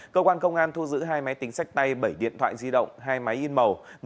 cơ quan công an thu giữ hai máy tính sách tay bảy điện thoại di động hai máy in màu